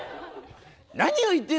何を言ってる！